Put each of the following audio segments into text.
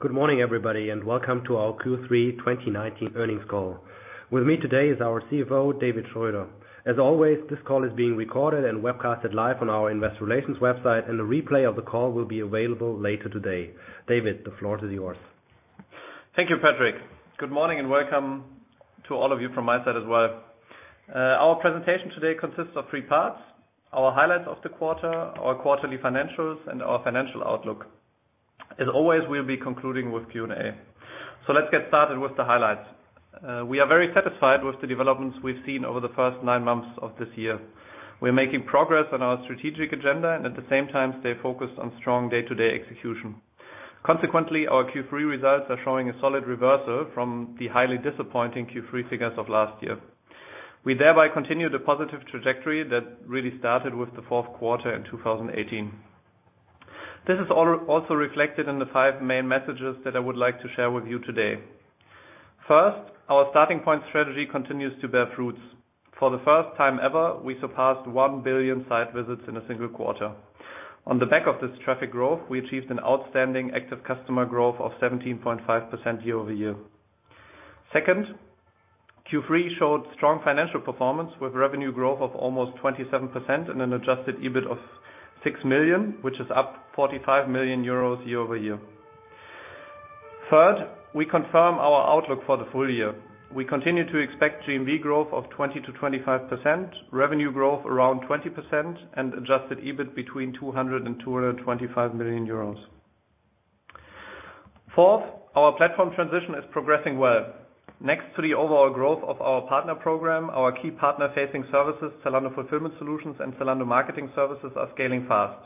Good morning everybody, welcome to our Q3 2019 earnings call. With me today is our CFO, David Schröder. As always, this call is being recorded and webcasted live on our investor relations website, and a replay of the call will be available later today. David, the floor is yours. Thank you, Patrick. Good morning and welcome to all of you from my side as well. Our presentation today consists of three parts: Our highlights of the quarter, our quarterly financials, and our financial outlook. As always, we'll be concluding with Q&A. Let's get started with the highlights. We are very satisfied with the developments we've seen over the first nine months of this year. We're making progress on our strategic agenda and at the same time stay focused on strong day-to-day execution. Consequently, our Q3 results are showing a solid reversal from the highly disappointing Q3 figures of last year. We thereby continued a positive trajectory that really started with the fourth quarter in 2018. This is also reflected in the five main messages that I would like to share with you today. First, our starting point strategy continues to bear fruits. For the first time ever, we surpassed 1 billion site visits in a single quarter. On the back of this traffic growth, we achieved an outstanding active customer growth of 17.5% year-over-year. Second, Q3 showed strong financial performance with revenue growth of almost 27% and an adjusted EBIT of 6 million, which is up 45 million euros year-over-year. Third, we confirm our outlook for the full year. We continue to expect GMV growth of 20%-25%, revenue growth around 20%, and adjusted EBIT between 200 million euros and 225 million euros. Fourth, our platform transition is progressing well. Next to the overall growth of our partner program, our key partner-facing services, Zalando Fulfillment Solutions and Zalando Marketing Services, are scaling fast.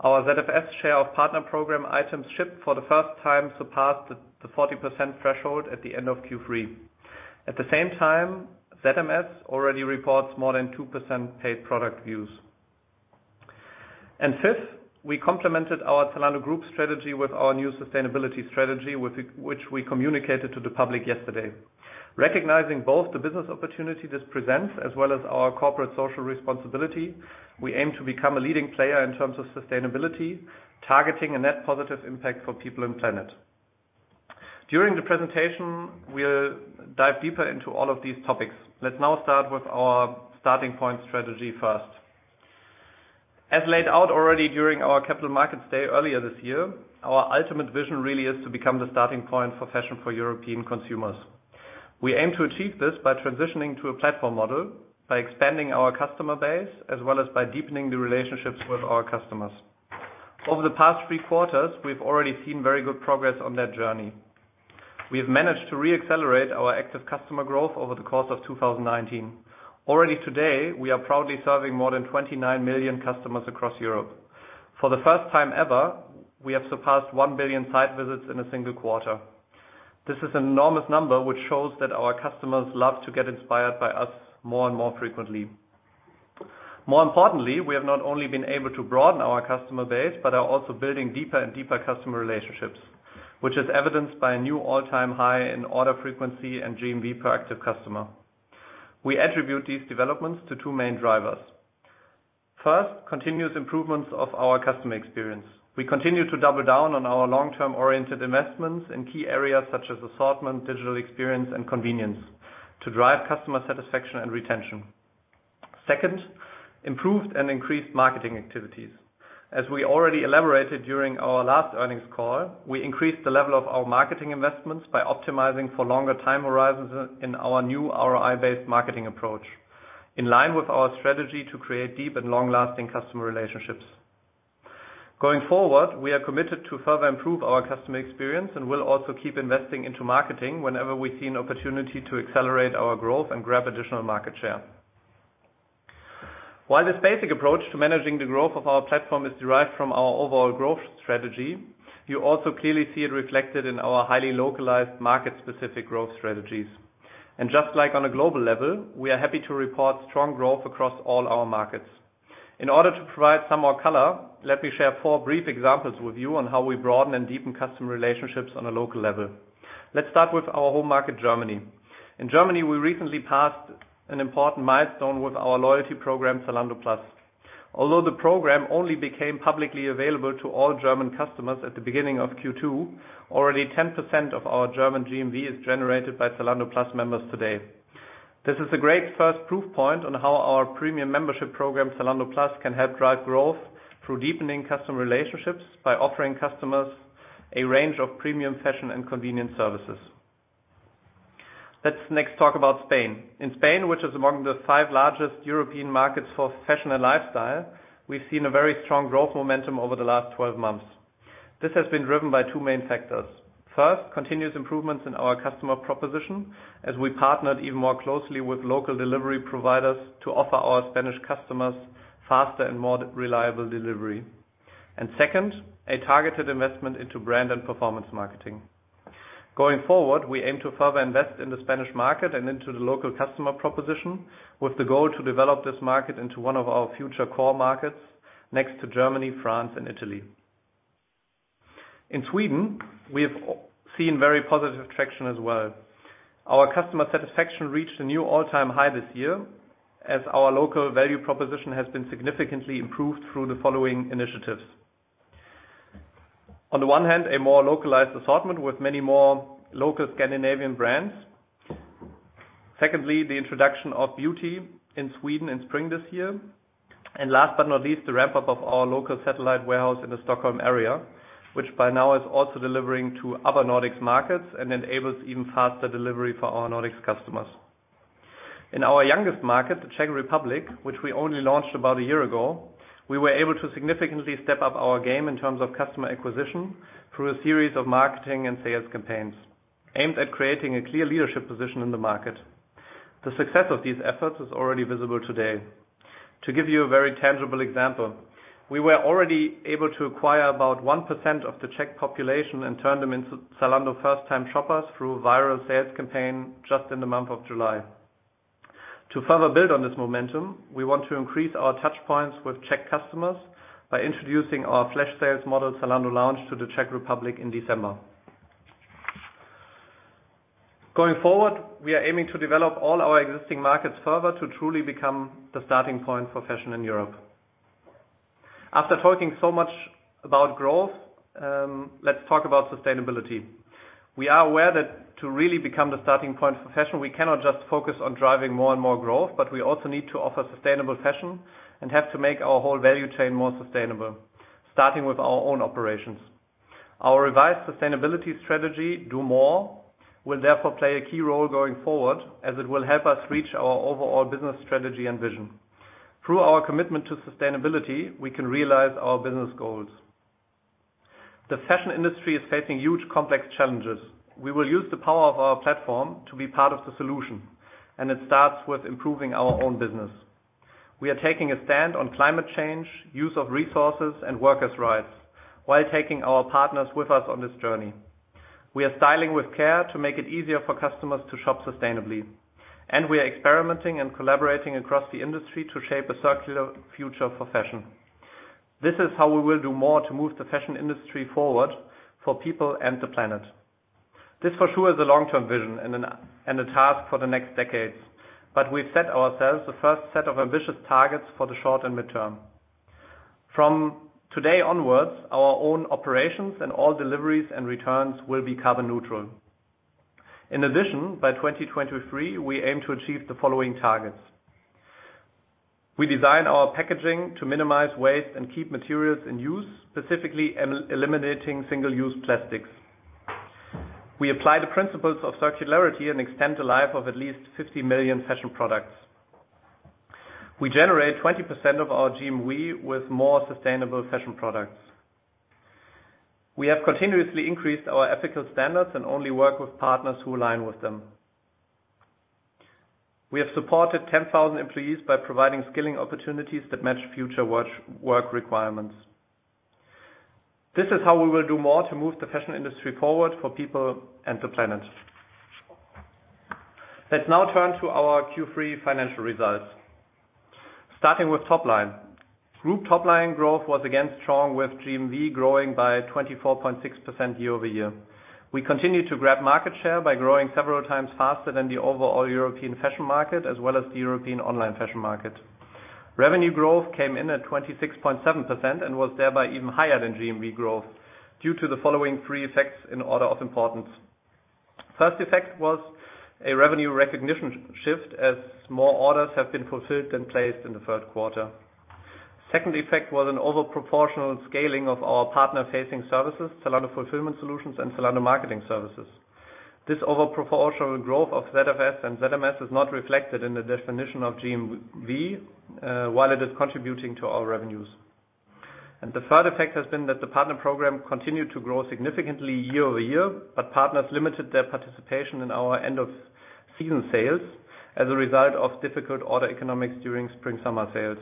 Our ZFS share of partner program items shipped for the first time surpassed the 40% threshold at the end of Q3. At the same time, ZMS already reports more than 2% paid product views. Fifth, we complemented our Zalando group strategy with our new sustainability strategy, which we communicated to the public yesterday. Recognizing both the business opportunity this presents as well as our corporate social responsibility, we aim to become a leading player in terms of sustainability, targeting a net positive impact for people and planet. During the presentation, we'll dive deeper into all of these topics. Let's now start with our starting point strategy first. As laid out already during our capital markets day earlier this year, our ultimate vision really is to become the starting point for fashion for European consumers. We aim to achieve this by transitioning to a platform model, by expanding our customer base, as well as by deepening the relationships with our customers. Over the past three quarters, we've already seen very good progress on that journey. We've managed to re-accelerate our active customer growth over the course of 2019. Already today, we are proudly serving more than 29 million customers across Europe. For the first time ever, we have surpassed 1 billion site visits in a single quarter. This is an enormous number, which shows that our customers love to get inspired by us more and more frequently. More importantly, we have not only been able to broaden our customer base, but are also building deeper and deeper customer relationships, which is evidenced by a new all-time high in order frequency and GMV per active customer. We attribute these developments to two main drivers. First, continuous improvements of our customer experience. We continue to double down on our long-term oriented investments in key areas such as assortment, digital experience, and convenience to drive customer satisfaction and retention. Second, improved and increased marketing activities. As we already elaborated during our last earnings call, we increased the level of our marketing investments by optimizing for longer time horizons in our new ROI-based marketing approach, in line with our strategy to create deep and long-lasting customer relationships. Going forward, we are committed to further improve our customer experience and will also keep investing into marketing whenever we see an opportunity to accelerate our growth and grab additional market share. While this basic approach to managing the growth of our platform is derived from our overall growth strategy, you also clearly see it reflected in our highly localized market-specific growth strategies. Just like on a global level, we are happy to report strong growth across all our markets. In order to provide some more color, let me share four brief examples with you on how we broaden and deepen customer relationships on a local level. Let's start with our home market, Germany. In Germany, we recently passed an important milestone with our loyalty program, Zalando Plus. Although the program only became publicly available to all German customers at the beginning of Q2, already 10% of our German GMV is generated by Zalando Plus members today. This is a great first proof point on how our premium membership program, Zalando Plus, can help drive growth through deepening customer relationships by offering customers a range of premium fashion and convenient services. Let's next talk about Spain. In Spain, which is among the five largest European markets for fashion and lifestyle, we've seen a very strong growth momentum over the last 12 months. This has been driven by two main factors. First, continuous improvements in our customer proposition as we partnered even more closely with local delivery providers to offer our Spanish customers faster and more reliable delivery. Second, a targeted investment into brand and performance marketing. Going forward, we aim to further invest in the Spanish market and into the local customer proposition with the goal to develop this market into one of our future core markets next to Germany, France, and Italy. In Sweden, we have seen very positive traction as well. Our customer satisfaction reached a new all-time high this year, as our local value proposition has been significantly improved through the following initiatives. On the one hand, a more localized assortment with many more local Scandinavian brands. Secondly, the introduction of beauty in Sweden in spring this year. Last but not least, the ramp-up of our local satellite warehouse in the Stockholm area, which by now is also delivering to other Nordics markets and enables even faster delivery for our Nordics customers. In our youngest market, the Czech Republic, which we only launched about one year ago, we were able to significantly step up our game in terms of customer acquisition through a series of marketing and sales campaigns aimed at creating a clear leadership position in the market. The success of these efforts is already visible today. To give you a very tangible example, we were already able to acquire about 1% of the Czech population and turn them into Zalando first-time shoppers through viral sales campaign just in the month of July. To further build on this momentum, we want to increase our touch points with Czech customers by introducing our flash sales model, Zalando Lounge, to the Czech Republic in December. Going forward, we are aiming to develop all our existing markets further to truly become the starting point for fashion in Europe. After talking so much about growth, let's talk about sustainability. We are aware that to really become the starting point for fashion, we cannot just focus on driving more and more growth, but we also need to offer sustainable fashion and have to make our whole value chain more sustainable, starting with our own operations. Our revised sustainability strategy, do. MORE, will therefore play a key role going forward as it will help us reach our overall business strategy and vision. Through our commitment to sustainability, we can realize our business goals. The fashion industry is facing huge complex challenges. We will use the power of our platform to be part of the solution. It starts with improving our own business. We are taking a stand on climate change, use of resources, and workers' rights while taking our partners with us on this journey. We are styling with care to make it easier for customers to shop sustainably. We are experimenting and collaborating across the industry to shape a circular future for fashion. This is how we will do more to move the fashion industry forward for people and the planet. This for sure is a long-term vision and a task for the next decades, but we've set ourselves the first set of ambitious targets for the short and midterm. From today onwards, our own operations and all deliveries and returns will be carbon neutral. In addition, by 2023, we aim to achieve the following targets. We design our packaging to minimize waste and keep materials in use, specifically eliminating single-use plastics. We apply the principles of circularity and extend the life of at least 50 million fashion products. We generate 20% of our GMV with more sustainable fashion products. We have continuously increased our ethical standards and only work with partners who align with them. We have supported 10,000 employees by providing skilling opportunities that match future work requirements. This is how we will do. MORE to move the fashion industry forward for people and the planet. Let's now turn to our Q3 financial results. Starting with top line. Group top line growth was again strong with GMV growing by 24.6% year-over-year. We continued to grab market share by growing several times faster than the overall European fashion market, as well as the European online fashion market. Revenue growth came in at 26.7% and was thereby even higher than GMV growth due to the following three effects in order of importance. First effect was a revenue recognition shift as more orders have been fulfilled than placed in the third quarter. Second effect was an overproportional scaling of our partner-facing services, Zalando Fulfillment Solutions and Zalando Marketing Services. This overproportional growth of ZFS and ZMS is not reflected in the definition of GMV, while it is contributing to our revenues. The third effect has been that the partner program continued to grow significantly year-over-year, but partners limited their participation in our end-of-season sales as a result of difficult order economics during spring-summer sales.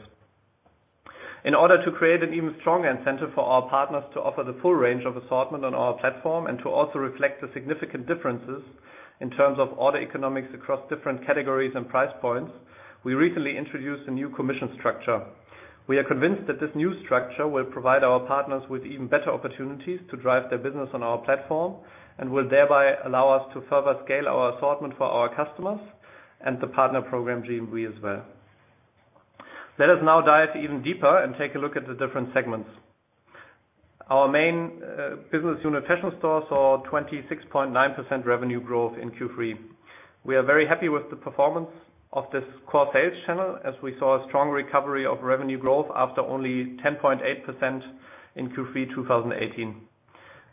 In order to create an even stronger incentive for our partners to offer the full range of assortment on our platform and to also reflect the significant differences in terms of order economics across different categories and price points, we recently introduced a new commission structure. We are convinced that this new structure will provide our partners with even better opportunities to drive their business on our platform and will thereby allow us to further scale our assortment for our customers and the partner program GMV as well. Let us now dive even deeper and take a look at the different segments. Our main business unit, Fashion Store, saw 26.9% revenue growth in Q3. We are very happy with the performance of this core sales channel as we saw a strong recovery of revenue growth after only 10.8% in Q3 2018.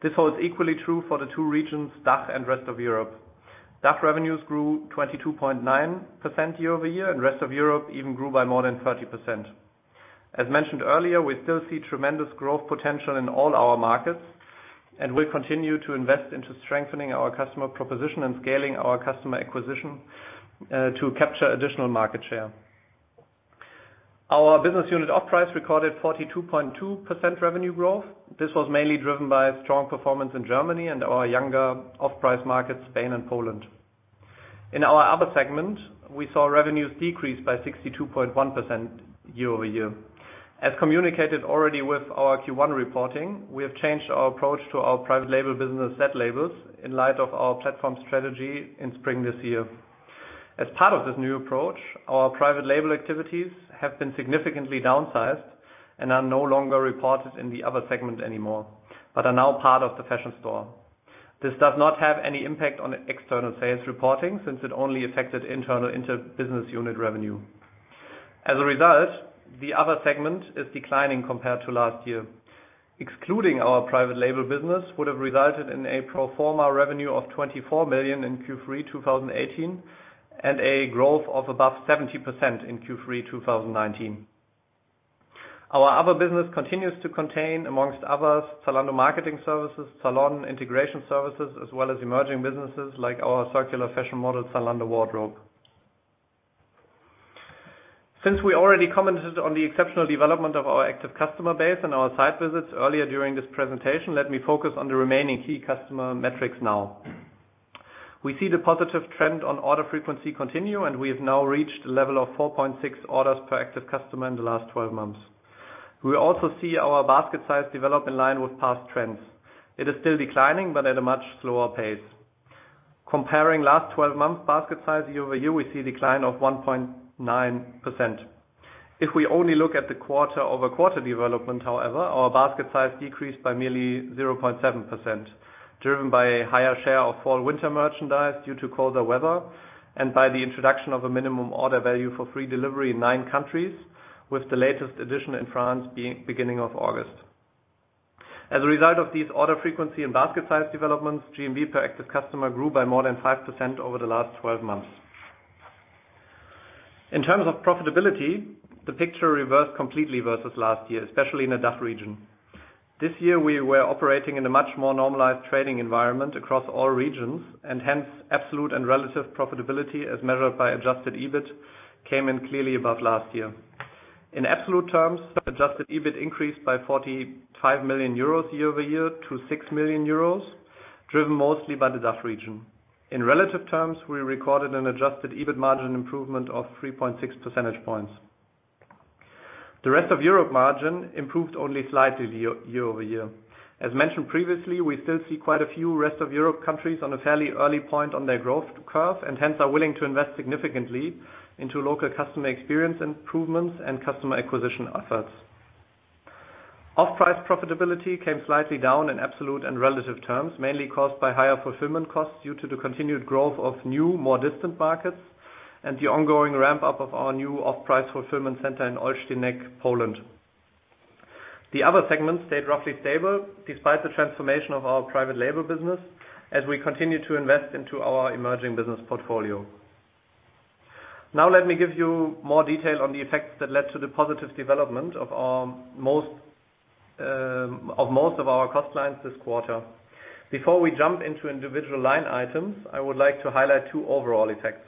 This holds equally true for the two regions, DACH and rest of Europe. DACH revenues grew 22.9% year-over-year, and rest of Europe even grew by more than 30%. As mentioned earlier, we still see tremendous growth potential in all our markets and will continue to invest into strengthening our customer proposition and scaling our customer acquisition to capture additional market share. Our business unit Offprice recorded 42.2% revenue growth. This was mainly driven by strong performance in Germany and our younger off-price markets, Spain and Poland. In our other segment, we saw revenues decrease by 62.1% year-over-year. As communicated already with our Q1 reporting, we have changed our approach to our private label business zLabels in light of our platform strategy in spring this year. As part of this new approach, our private label activities have been significantly downsized and are no longer reported in the other segment anymore, but are now part of the Fashion Store. This does not have any impact on external sales reporting, since it only affected internal inter-business unit revenue. As a result, the other segment is declining compared to last year. Excluding our private label business would have resulted in a pro forma revenue of 24 million in Q3 2018, and a growth of above 70% in Q3 2019. Our other business continues to contain, amongst others, Zalando Marketing Services, Zalando Integration Services, as well as emerging businesses like our circular fashion model, Zalando Wardrobe. Since we already commented on the exceptional development of our active customer base and our site visits earlier during this presentation, let me focus on the remaining key customer metrics now. We see the positive trend on order frequency continue, and we have now reached a level of 4.6 orders per active customer in the last 12 months. We also see our basket size develop in line with past trends. It is still declining, but at a much slower pace. Comparing last 12 months basket size year-over-year, we see a decline of 1.9%. If we only look at the quarter-over-quarter development, however, our basket size decreased by merely 0.7%, driven by a higher share of fall/winter merchandise due to colder weather, and by the introduction of a minimum order value for free delivery in nine countries, with the latest edition in France, beginning of August. As a result of these order frequency and basket size developments, GMV per active customer grew by more than 5% over the last 12 months. In terms of profitability, the picture reversed completely versus last year, especially in the DACH region. This year, we were operating in a much more normalized trading environment across all regions, and hence absolute and relative profitability, as measured by adjusted EBIT, came in clearly above last year. In absolute terms, adjusted EBIT increased by €45 million year-over-year to €6 million, driven mostly by the DACH region. In relative terms, we recorded an adjusted EBIT margin improvement of 3.6 percentage points. The rest of Europe margin improved only slightly year-over-year. As mentioned previously, we still see quite a few rest of Europe countries on a fairly early point on their growth curve. Hence are willing to invest significantly into local customer experience improvements and customer acquisition efforts. Offprice profitability came slightly down in absolute and relative terms, mainly caused by higher fulfillment costs due to the continued growth of new, more distant markets and the ongoing ramp-up of our new Offprice fulfillment center in Olsztynek, Poland. The other segment stayed roughly stable despite the transformation of our private label business as we continue to invest into our emerging business portfolio. Let me give you more detail on the effects that led to the positive development of most of our cost lines this quarter. Before we jump into individual line items, I would like to highlight two overall effects.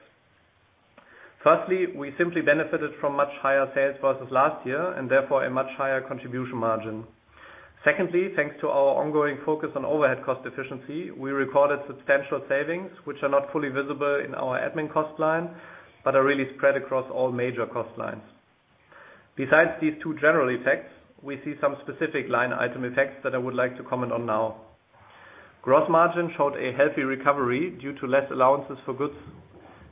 Firstly, we simply benefited from much higher sales versus last year, and therefore a much higher contribution margin. Secondly, thanks to our ongoing focus on overhead cost efficiency, we recorded substantial savings, which are not fully visible in our admin cost line, but are really spread across all major cost lines. Besides these two general effects, we see some specific line item effects that I would like to comment on now. Gross margin showed a healthy recovery due to less allowances for goods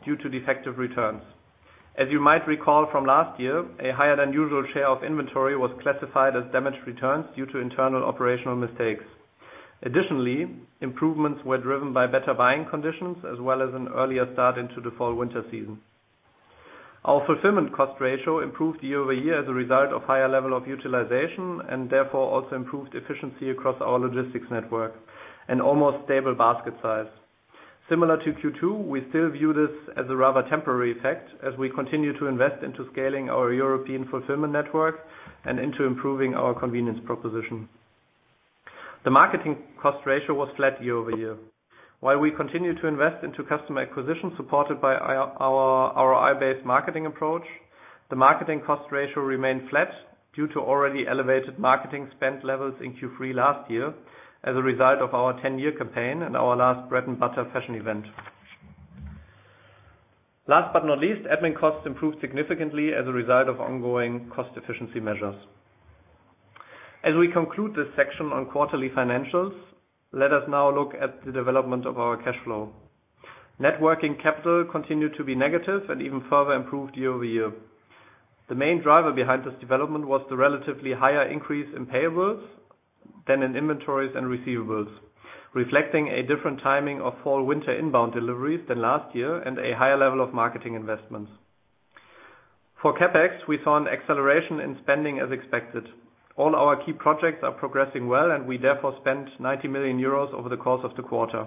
due to defective returns. As you might recall from last year, a higher than usual share of inventory was classified as damaged returns due to internal operational mistakes. Additionally, improvements were driven by better buying conditions as well as an earlier start into the fall/winter season. Our fulfillment cost ratio improved year-over-year as a result of higher level of utilization and therefore also improved efficiency across our logistics network and almost stable basket size. Similar to Q2, we still view this as a rather temporary effect as we continue to invest into scaling our European fulfillment network and into improving our convenience proposition. The marketing cost ratio was flat year-over-year. While we continue to invest into customer acquisition supported by our ROI-based marketing approach, the marketing cost ratio remained flat due to already elevated marketing spend levels in Q3 last year as a result of our 10-year campaign and our last Bread & Butter fashion event. Last but not least, admin costs improved significantly as a result of ongoing cost efficiency measures. As we conclude this section on quarterly financials, let us now look at the development of our cash flow. Net working capital continued to be negative and even further improved year-over-year. The main driver behind this development was the relatively higher increase in payables than in inventories and receivables, reflecting a different timing of fall/winter inbound deliveries than last year and a higher level of marketing investments. For CapEx, we saw an acceleration in spending as expected. All our key projects are progressing well and we therefore spent 90 million euros over the course of the quarter,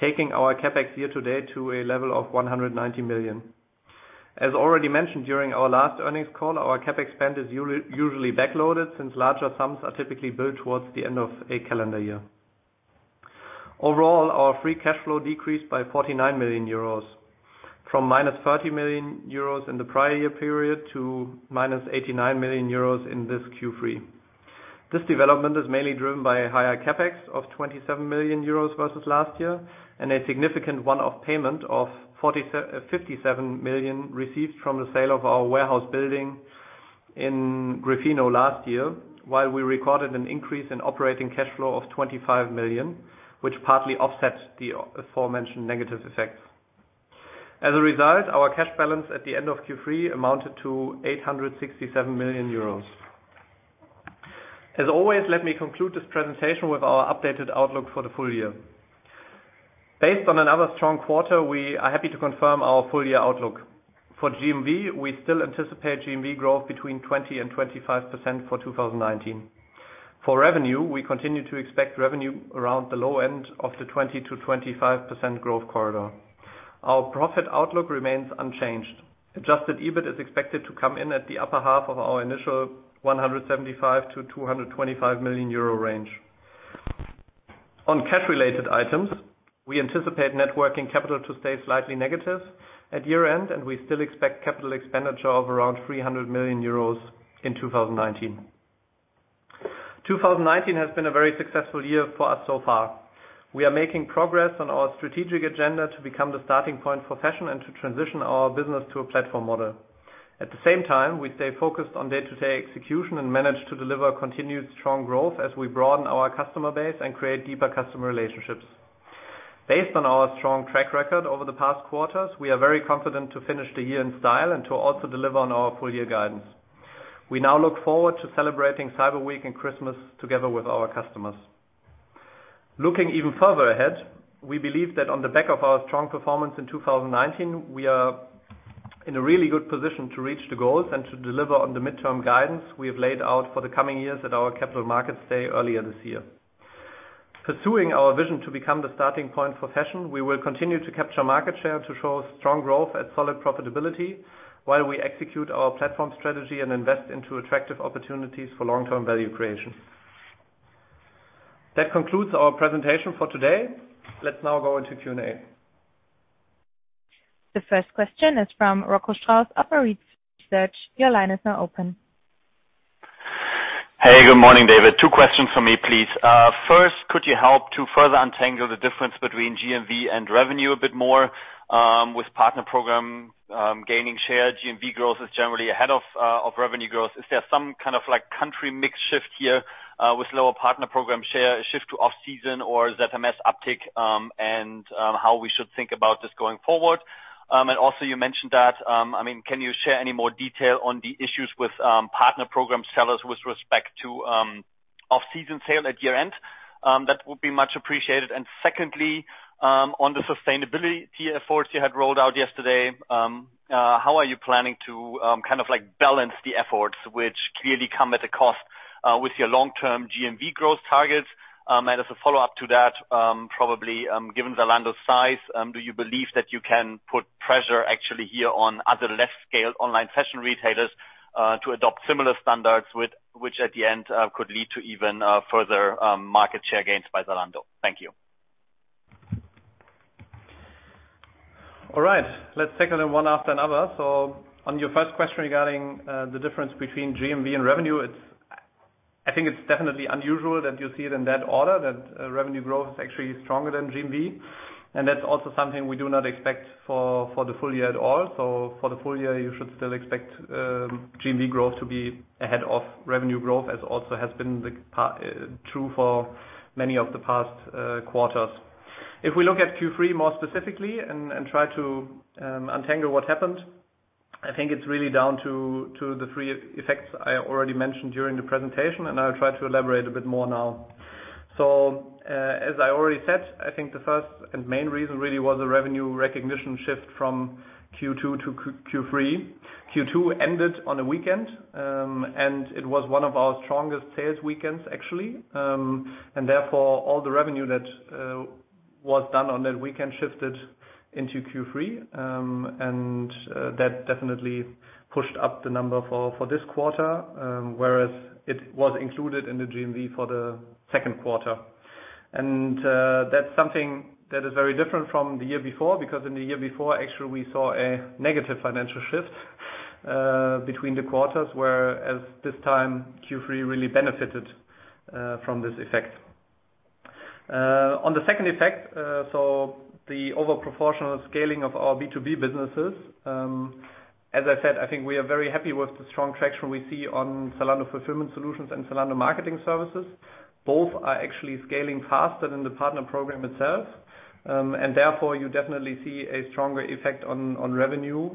taking our CapEx year-to-date to a level of 190 million. As already mentioned during our last earnings call, our CapEx spend is usually backloaded since larger sums are typically built towards the end of a calendar year. Overall, our free cash flow decreased by 49 million euros, from minus 30 million euros in the prior year period to minus 89 million euros in this Q3. This development is mainly driven by a higher CapEx of 27 million euros versus last year, and a significant one-off payment of 57 million received from the sale of our warehouse building in Gryfino last year, while we recorded an increase in operating cash flow of 25 million, which partly offsets the aforementioned negative effects. As a result, our cash balance at the end of Q3 amounted to 867 million euros. As always, let me conclude this presentation with our updated outlook for the full year. Based on another strong quarter, we are happy to confirm our full year outlook. For GMV, we still anticipate GMV growth between 20% and 25% for 2019. For revenue, we continue to expect revenue around the low end of the 20%-25% growth corridor. Our profit outlook remains unchanged. Adjusted EBIT is expected to come in at the upper half of our initial 175 million-225 million euro range. On cash related items, we anticipate net working capital to stay slightly negative at year-end, and we still expect capital expenditure of around 300 million euros in 2019. 2019 has been a very successful year for us so far. We are making progress on our strategic agenda to become the starting point for fashion and to transition our business to a platform model. At the same time, we stay focused on day-to-day execution and manage to deliver continued strong growth as we broaden our customer base and create deeper customer relationships. Based on our strong track record over the past quarters, we are very confident to finish the year in style and to also deliver on our full year guidance. We now look forward to celebrating Cyber Week and Christmas together with our customers. Looking even further ahead, we believe that on the back of our strong performance in 2019, we are in a really good position to reach the goals and to deliver on the midterm guidance we have laid out for the coming years at our Capital Markets Day earlier this year. Pursuing our vision to become the starting point for fashion, we will continue to capture market share to show strong growth and solid profitability while we execute our platform strategy and invest into attractive opportunities for long-term value creation. That concludes our presentation for today. Let's now go into Q&A. The first question is from Rocco Strauss, Arete Research. Your line is now open. Hey, good morning, David. Two questions from me, please. First, could you help to further untangle the difference between GMV and revenue a bit more? With Partner Program gaining share, GMV growth is generally ahead of revenue growth. Is there some kind of country mix shift here with lower Partner Program share, a shift to off-season, or ZMS uptick, and how we should think about this going forward? Also you mentioned that, can you share any more detail on the issues with Partner Program sellers with respect to off-season sale at year-end? That would be much appreciated. Secondly, on the sustainability efforts you had rolled out yesterday, how are you planning to balance the efforts which clearly come at a cost with your long-term GMV growth targets? As a follow-up to that, probably given Zalando's size, do you believe that you can put pressure actually here on other less scale online fashion retailers to adopt similar standards, which at the end could lead to even further market share gains by Zalando? Thank you. All right. Let's take it one after another. On your first question regarding the difference between GMV and revenue, I think it's definitely unusual that you see it in that order, that revenue growth is actually stronger than GMV. That's also something we do not expect for the full year at all. For the full year, you should still expect GMV growth to be ahead of revenue growth, as also has been true for many of the past quarters. If we look at Q3 more specifically and try to untangle what happened, I think it's really down to the three effects I already mentioned during the presentation, and I'll try to elaborate a bit more now. As I already said, I think the first and main reason really was a revenue recognition shift from Q2 to Q3. Q2 ended on a weekend, it was one of our strongest sales weekends, actually. Therefore, all the revenue that was done on that weekend shifted into Q3, and that definitely pushed up the number for this quarter, whereas it was included in the GMV for the second quarter. That's something that is very different from the year before, because in the year before, actually, we saw a negative financial shift between the quarters, whereas this time Q3 really benefited from this effect. On the second effect, so the over proportional scaling of our B2B businesses. As I said, I think we are very happy with the strong traction we see on Zalando Fulfillment Solutions and Zalando Marketing Services. Both are actually scaling faster than the partner program itself. Therefore, you definitely see a stronger effect on revenue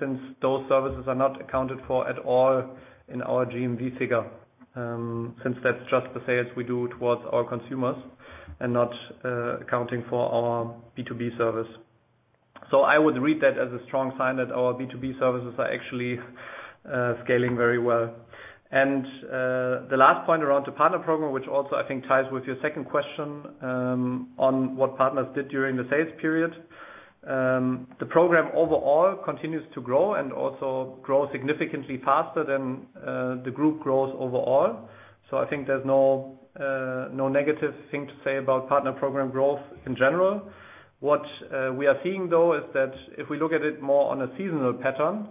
since those services are not accounted for at all in our GMV figure, since that's just the sales we do towards our consumers and not accounting for our B2B service. I would read that as a strong sign that our B2B services are actually scaling very well. The last point around the partner program, which also I think ties with your second question on what partners did during the sales period. The program overall continues to grow and also grows significantly faster than the group growth overall. I think there's no negative thing to say about partner program growth in general. What we are seeing, though, is that if we look at it more on a seasonal pattern,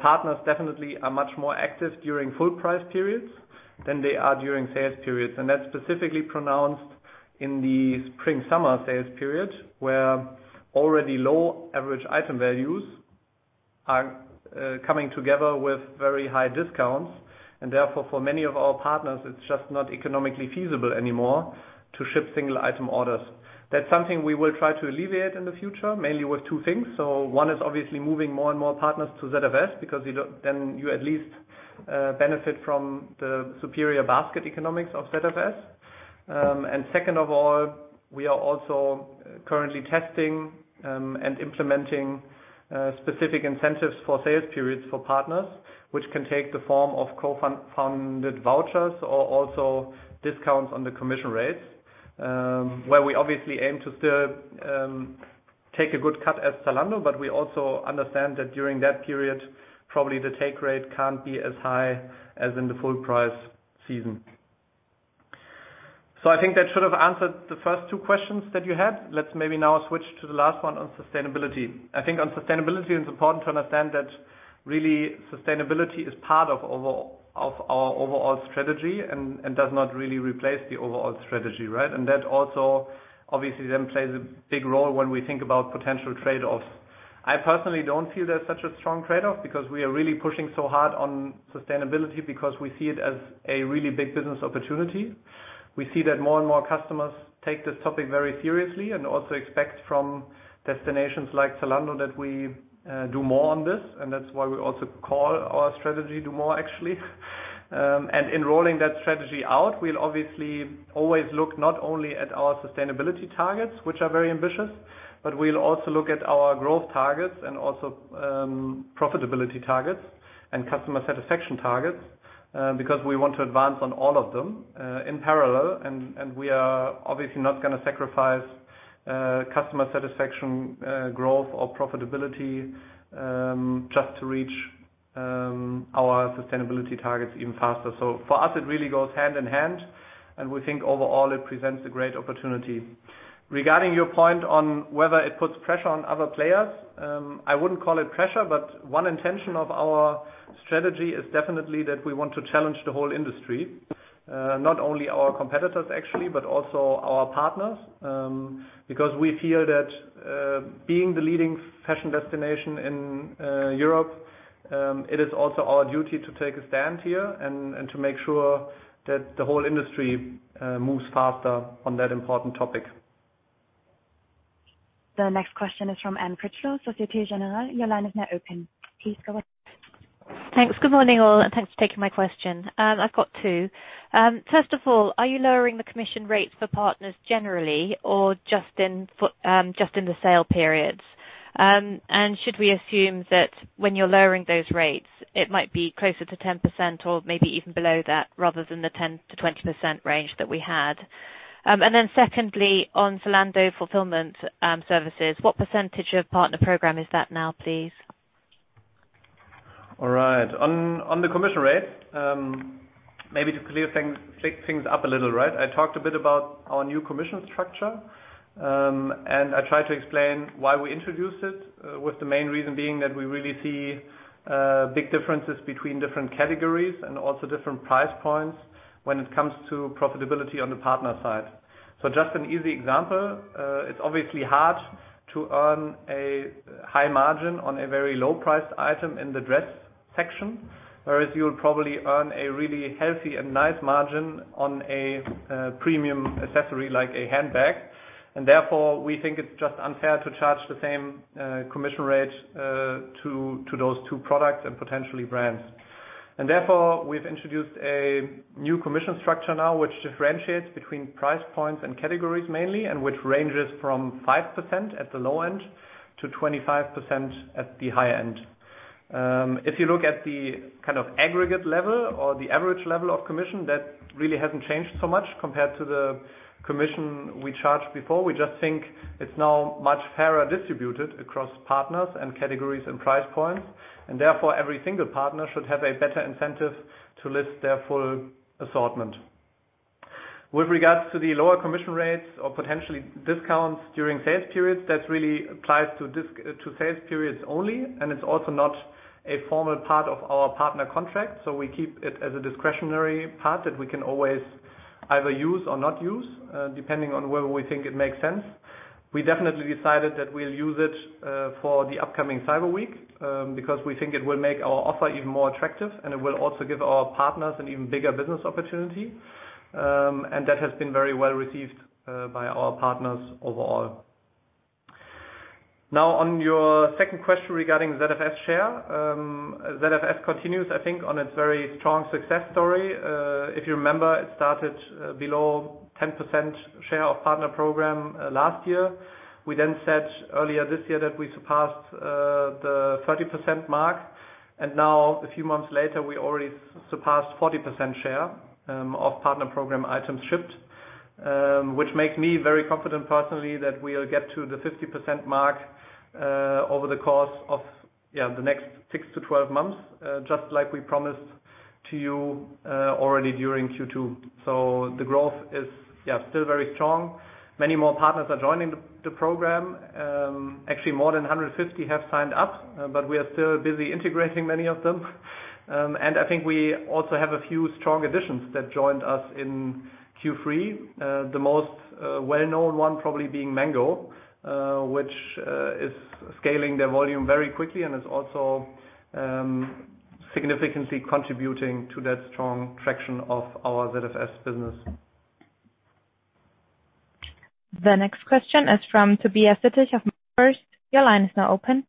partners definitely are much more active during full price periods than they are during sales periods. That's specifically pronounced in the spring, summer sales period, where already low average item values are coming together with very high discounts. Therefore, for many of our partners, it's just not economically feasible anymore to ship single item orders. That's something we will try to alleviate in the future, mainly with two things. One is obviously moving more and more partners to ZFS because then you at least benefit from the superior basket economics of ZFS. Second of all, we are also currently testing and implementing specific incentives for sales periods for partners, which can take the form of co-funded vouchers or also discounts on the commission rates, where we obviously aim to still take a good cut as Zalando. We also understand that during that period, probably the take rate can't be as high as in the full price season. I think that should have answered the first two questions that you had. Let's maybe now switch to the last one on sustainability. I think on sustainability, it's important to understand that really sustainability is part of our overall strategy and does not really replace the overall strategy. Right? That also obviously then plays a big role when we think about potential trade-offs. I personally don't feel there's such a strong trade-off because we are really pushing so hard on sustainability because we see it as a really big business opportunity. We see that more and more customers take this topic very seriously and also expect from destinations like Zalando that we do more on this. That's why we also call our strategy do. MORE, actually. In rolling that strategy out, we will obviously always look not only at our sustainability targets, which are very ambitious, but we will also look at our growth targets and also profitability targets and customer satisfaction targets, because we want to advance on all of them in parallel. We are obviously not going to sacrifice customer satisfaction, growth, or profitability, just to reach our sustainability targets even faster. For us, it really goes hand in hand, and we think overall it presents a great opportunity. Regarding your point on whether it puts pressure on other players, I wouldn't call it pressure, but one intention of our strategy is definitely that we want to challenge the whole industry. Not only our competitors, actually, but also our partners. We feel that being the leading fashion destination in Europe, it is also our duty to take a stand here and to make sure that the whole industry moves faster on that important topic. The next question is from Anne Critchlow, Societe Generale. Your line is now open. Please go ahead. Thanks. Good morning, all, and thanks for taking my question. I've got two. First of all, are you lowering the commission rates for partners generally or just in the sale periods? Should we assume that when you're lowering those rates, it might be closer to 10% or maybe even below that, rather than the 10%-20% range that we had? Secondly, on Zalando Fulfillment Solutions, what % of partner program is that now, please? All right. On the commission rate, maybe to clear things up a little, right? I talked a bit about our new commission structure. I tried to explain why we introduced it, with the main reason being that we really see big differences between different categories and also different price points when it comes to profitability on the partner side. Just an easy example, it's obviously hard to earn a high margin on a very low priced item in the dress section. Whereas you'll probably earn a really healthy and nice margin on a premium accessory like a handbag. Therefore, we think it's just unfair to charge the same commission rate to those two products and potentially brands. Therefore, we've introduced a new commission structure now, which differentiates between price points and categories mainly, and which ranges from 5% at the low end to 25% at the high end. If you look at the aggregate level or the average level of commission, that really hasn't changed so much compared to the commission we charged before. We just think it's now much fairer distributed across partners and categories and price points, and therefore, every single partner should have a better incentive to list their full assortment. With regards to the lower commission rates or potentially discounts during sales periods, that really applies to sales periods only, and it's also not a formal part of our partner contract. We keep it as a discretionary part that we can always either use or not use, depending on whether we think it makes sense. We definitely decided that we'll use it for the upcoming Cyber Week, because we think it will make our offer even more attractive. It will also give our partners an even bigger business opportunity. That has been very well received by our partners overall. Now, on your second question regarding ZFS share. ZFS continues, I think, on its very strong success story. If you remember, it started below 10% share of Partner Program last year. We said earlier this year that we surpassed the 30% mark. Now a few months later, we already surpassed 40% share of Partner Program items shipped, which makes me very confident personally that we'll get to the 50% mark over the course of the next 6-12 months, just like we promised to you already during Q2. The growth is still very strong. Many more partners are joining the program. Actually more than 150 have signed up. We are still busy integrating many of them. I think we also have a few strong additions that joined us in Q3. The most well-known one probably being Mango, which is scaling their volume very quickly and is also significantly contributing to that strong traction of our ZFS business. The next question is from Tobias Sittig of. Your line is now open.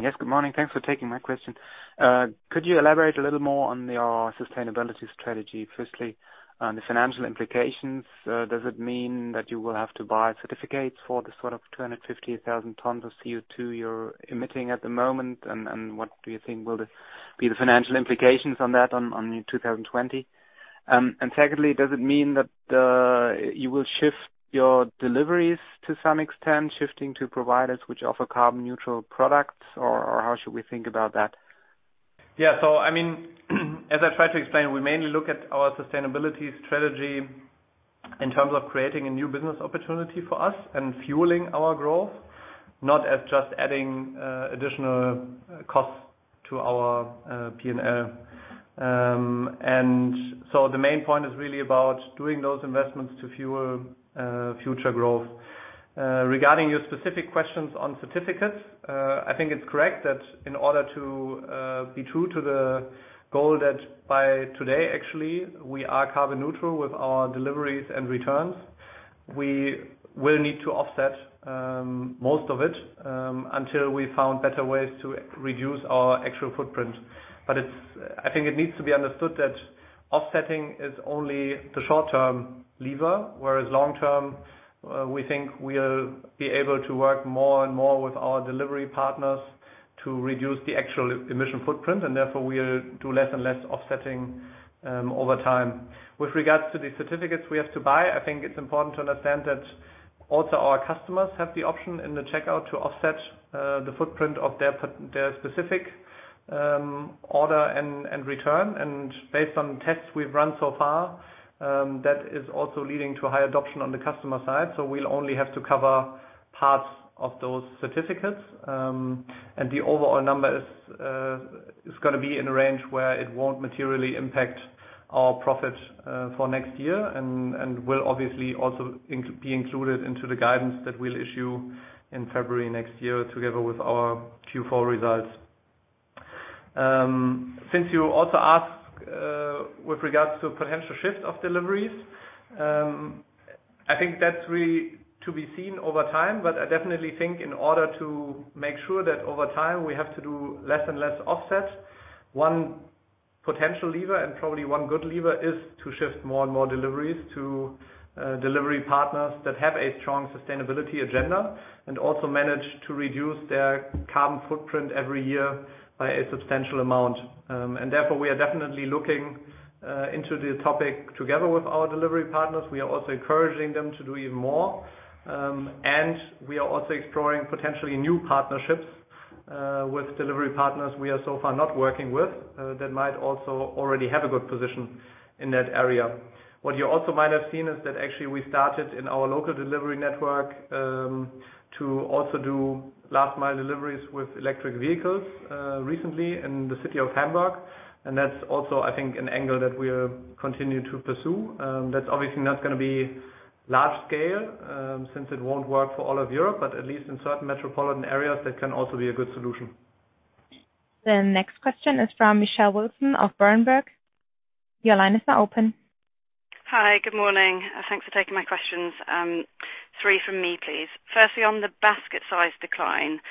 Yes, good morning. Thanks for taking my question. Could you elaborate a little more on your sustainability strategy? Firstly, on the financial implications, does it mean that you will have to buy certificates for the sort of 250,000 tons of CO2 you're emitting at the moment? What do you think will be the financial implications on that on your 2020? Secondly, does it mean that you will shift your deliveries to some extent, shifting to providers which offer carbon neutral products, or how should we think about that? As I tried to explain, we mainly look at our sustainability strategy in terms of creating a new business opportunity for us and fueling our growth, not as just adding additional costs to our P&L. The main point is really about doing those investments to fuel future growth. Regarding your specific questions on certificates, I think it's correct that in order to be true to the goal that by today, actually, we are carbon neutral with our deliveries and returns. We will need to offset most of it until we've found better ways to reduce our actual footprint. I think it needs to be understood that offsetting is only the short-term lever, whereas long-term, we think we'll be able to work more and more with our delivery partners to reduce the actual emission footprint, and therefore we'll do less and less offsetting over time. With regards to the certificates we have to buy, I think it's important to understand that also our customers have the option in the checkout to offset the footprint of their specific order and return. Based on tests we've run so far, that is also leading to a high adoption on the customer side. We'll only have to cover parts of those certificates. The overall number is going to be in a range where it won't materially impact our profit for next year and will obviously also be included into the guidance that we'll issue in February next year together with our Q4 results. Since you also asked with regards to potential shift of deliveries, I think that's really to be seen over time, but I definitely think in order to make sure that over time we have to do less and less offsets, one potential lever and probably one good lever is to shift more and more deliveries to delivery partners that have a strong sustainability agenda and also manage to reduce their carbon footprint every year by a substantial amount. Therefore, we are definitely looking into the topic together with our delivery partners. We are also encouraging them to do even more. We are also exploring potentially new partnerships with delivery partners we are so far not working with that might also already have a good position in that area. What you also might have seen is that actually we started in our local delivery network, to also do last mile deliveries with electric vehicles recently in the city of Hamburg, and that's also, I think, an angle that we'll continue to pursue. That's obviously not going to be large scale, since it won't work for all of Europe, but at least in certain metropolitan areas, that can also be a good solution. The next question is from Monique Pollard of Berenberg. Your line is now open. Hi, good morning. Thanks for taking my questions. Three from me, please. Firstly, on the basket size decline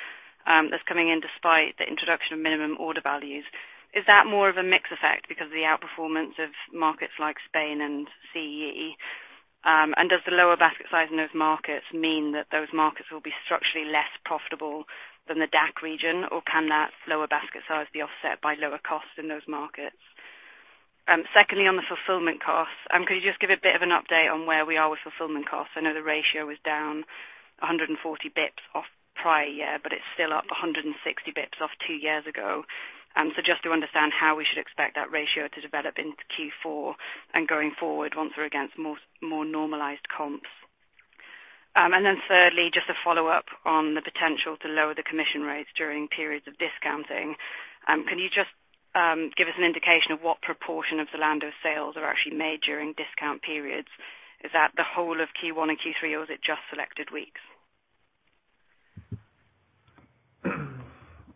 that's coming in despite the introduction of minimum order values, is that more of a mix effect because of the outperformance of markets like Spain and CEE? Does the lower basket size in those markets mean that those markets will be structurally less profitable than the DAC region or can that lower basket size be offset by lower costs in those markets? Secondly, on the fulfillment costs, can you just give a bit of an update on where we are with fulfillment costs? I know the ratio was down 140 basis points off prior year, but it's still up 160 basis points off two years ago. Just to understand how we should expect that ratio to develop into Q4 and going forward once we're against more normalized comps. Thirdly, just a follow-up on the potential to lower the commission rates during periods of discounting. Can you just give us an indication of what proportion of the Zalando sales are actually made during discount periods? Is that the whole of Q1 and Q3, or was it just selected weeks?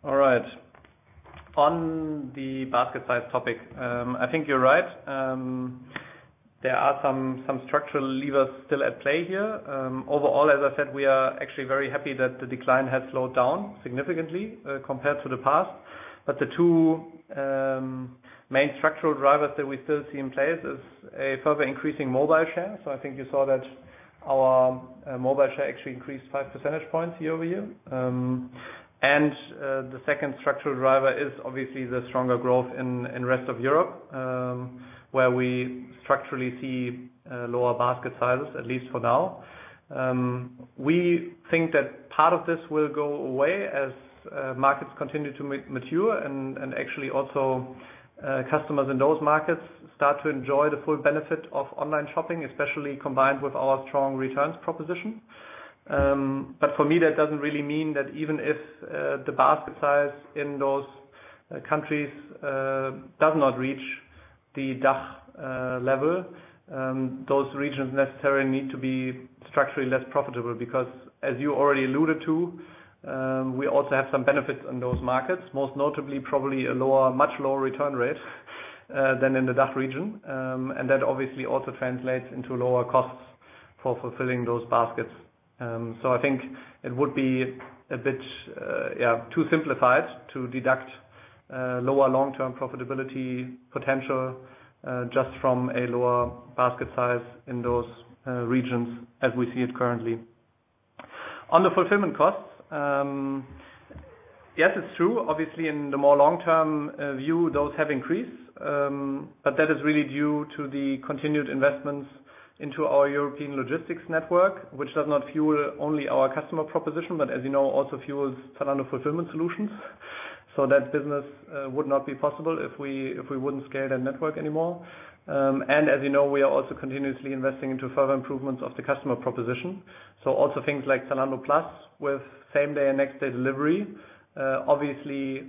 All right. On the basket size topic, I think you're right. There are some structural levers still at play here. Overall, as I said, we are actually very happy that the decline has slowed down significantly compared to the past. The two main structural drivers that we still see in place is a further increasing mobile share. I think you saw that our mobile share actually increased five percentage points year-over-year. The second structural driver is obviously the stronger growth in rest of Europe, where we structurally see lower basket sizes, at least for now. We think that part of this will go away as markets continue to mature and actually also customers in those markets start to enjoy the full benefit of online shopping, especially combined with our strong returns proposition. For me, that doesn't really mean that even if the basket size in those countries does not reach the DACH level, those regions necessarily need to be structurally less profitable. As you already alluded to, we also have some benefits in those markets, most notably probably a much lower return rate than in the DACH region. That obviously also translates into lower costs for fulfilling those baskets. I think it would be a bit too simplified to deduct lower long-term profitability potential, just from a lower basket size in those regions as we see it currently. On the fulfillment costs, yes, it's true. In the more long-term view, those have increased. That is really due to the continued investments into our European logistics network, which does not fuel only our customer proposition, but as you know, also fuels Zalando Fulfillment Solutions. That business would not be possible if we wouldn't scale that network anymore. As you know, we are also continuously investing into further improvements of the customer proposition. Also things like Zalando Plus with same-day and next-day delivery, obviously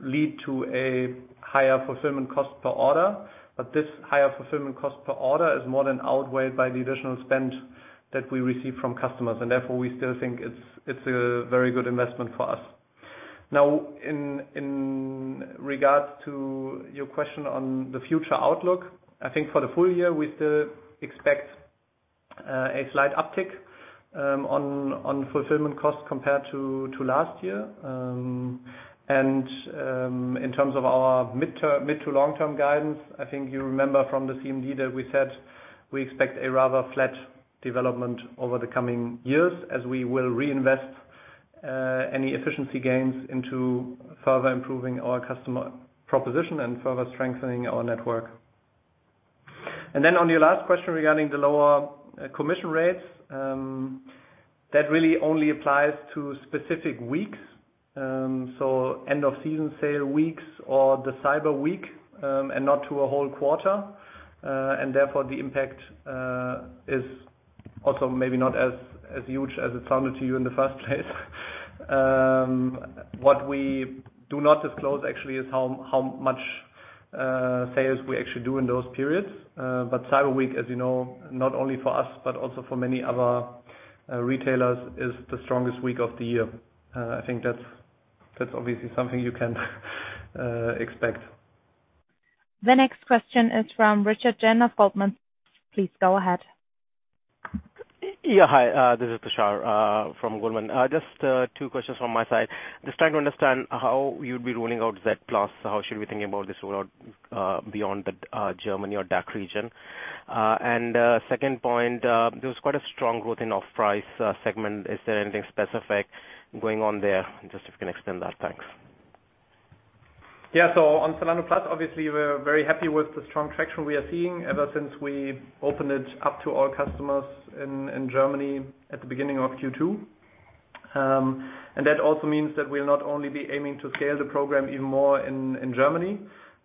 lead to a higher fulfillment cost per order. This higher fulfillment cost per order is more than outweighed by the additional spend that we receive from customers and therefore, we still think it's a very good investment for us. In regards to your question on the future outlook, I think for the full year, we still expect a slight uptick on fulfillment costs compared to last year. In terms of our mid to long-term guidance, I think you remember from the CMD that we said we expect a rather flat development over the coming years as we will reinvest any efficiency gains into further improving our customer proposition and further strengthening our network. Then on your last question regarding the lower commission rates, that really only applies to specific weeks. End of season sale weeks or the Cyber Week, and not to a whole quarter. Therefore the impact is also maybe not as huge as it sounded to you in the first place. What we do not disclose actually is how much sales we actually do in those periods. Cyber Week, as you know, not only for us, but also for many other retailers, is the strongest week of the year. I think that's obviously something you can expect. The next question is from [Richard Jin] of Goldman. Please go ahead. Yeah. Hi, this is Tushar, from Goldman. Just two questions from my side. Just trying to understand how you'd be rolling out Z Plus. How should we think about this rollout beyond the Germany or DACH region? Second point, there was quite a strong growth in Offprice segment. Is there anything specific going on there? Just if you can expand that. Thanks. On Zalando Plus, obviously, we're very happy with the strong traction we are seeing ever since we opened it up to all customers in Germany at the beginning of Q2. That also means that we'll not only be aiming to scale the program even more in Germany,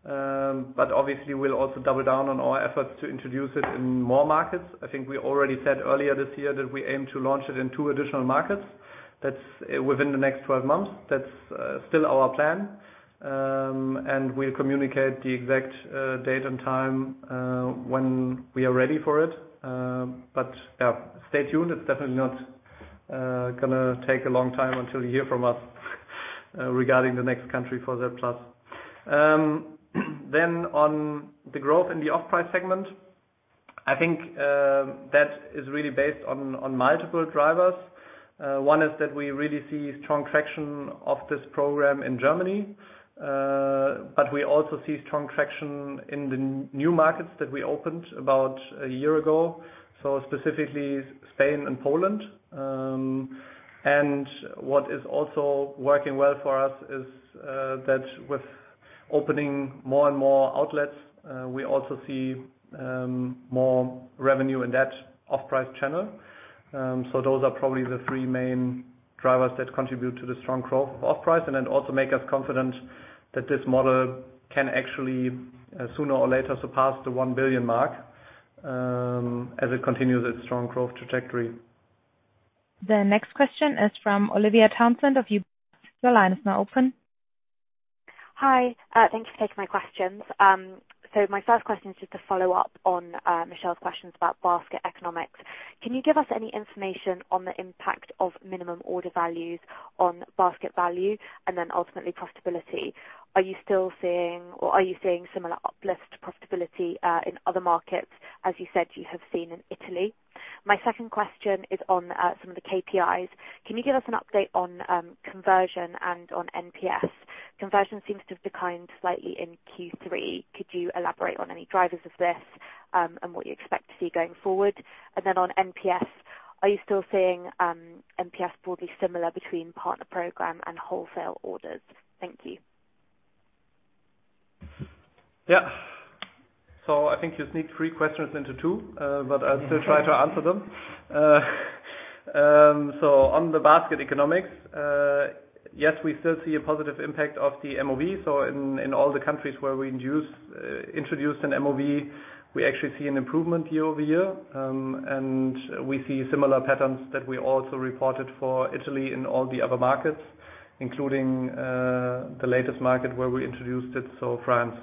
but obviously we'll also double down on our efforts to introduce it in more markets. I think we already said earlier this year that we aim to launch it in two additional markets. That's within the next 12 months. That's still our plan. We'll communicate the exact date and time, when we are ready for it. Stay tuned. It's definitely not going to take a long time until you hear from us regarding the next country for Zalando Plus. On the growth in the Offprice segment, I think that is really based on multiple drivers. One is that we really see strong traction of this program in Germany. We also see strong traction in the new markets that we opened about a year ago, specifically Spain and Poland. What is also working well for us is that with opening more and more outlets, we also see more revenue in that Offprice channel. Those are probably the three main drivers that contribute to the strong growth of Offprice and also make us confident that this model can actually, sooner or later, surpass the 1 billion mark, as it continues its strong growth trajectory. The next question is from Olivia Townsend of. Your line is now open. Hi. Thank you for taking my questions. My first question is just a follow-up on Monique's questions about basket economics. Can you give us any information on the impact of minimum order values on basket value and then ultimately profitability? Are you seeing similar uplift profitability, in other markets, as you said you have seen in Italy? My second question is on some of the KPIs. Can you give us an update on conversion and on NPS? Conversion seems to have declined slightly in Q3. Could you elaborate on any drivers of this, and what you expect to see going forward? On NPS, are you still seeing NPS broadly similar between partner program and wholesale orders? Thank you. Yeah. I think you sneaked three questions into two, but I'll still try to answer them. On the basket economics. Yes, we still see a positive impact of the MOV. In all the countries where we introduced an MOV, we actually see an improvement year-over-year. We see similar patterns that we also reported for Italy in all the other markets, including the latest market where we introduced it, France.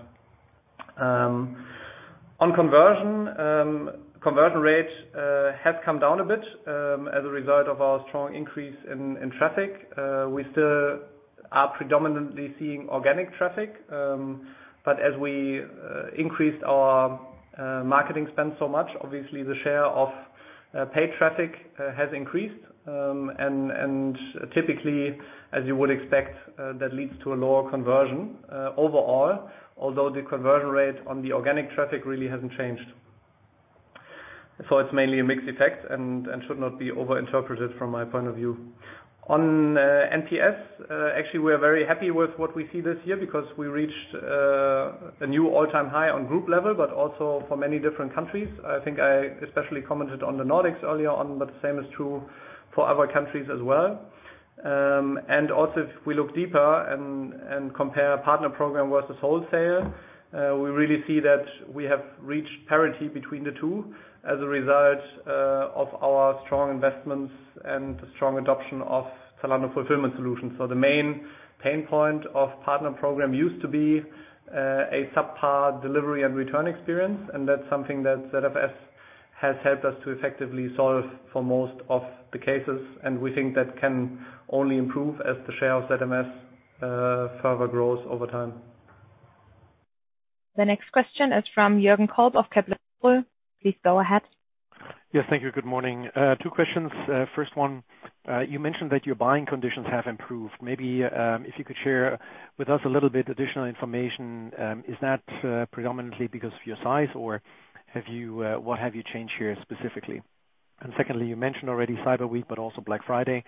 On conversion rate has come down a bit as a result of our strong increase in traffic. We still are predominantly seeing organic traffic. As we increased our marketing spend so much, obviously the share of paid traffic has increased. Typically, as you would expect, that leads to a lower conversion overall, although the conversion rate on the organic traffic really hasn't changed. It's mainly a mixed effect and should not be over-interpreted from my point of view. On NPS, actually, we are very happy with what we see this year because we reached a new all-time high on group level, but also for many different countries. I think I especially commented on the Nordics earlier on, but the same is true for other countries as well. Also, if we look deeper and compare partner program versus wholesale, we really see that we have reached parity between the two as a result of our strong investments and strong adoption of Zalando Fulfillment Solutions. The main pain point of Partner Program used to be a subpar delivery and return experience, and that's something that ZFS has helped us to effectively solve for most of the cases, and we think that can only improve as the share of ZMS further grows over time. The next question is from Jürgen Kolb of Capital. Please go ahead. Yes. Thank you. Good morning. Two questions. First one, you mentioned that your buying conditions have improved. Maybe if you could share with us a little bit additional information. Is that predominantly because of your size, or what have you changed here specifically? Secondly, you mentioned already Cyber Week, but also Black Friday.